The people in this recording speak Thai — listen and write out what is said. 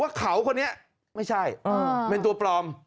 ว่าเขาคนนี้ไม่ใช่เป็นตัวปลอม